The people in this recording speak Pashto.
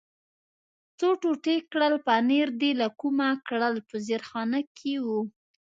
څو ټوټې کړل، پنیر دې له کومه کړل؟ په زیرخانه کې و.